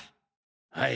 はい。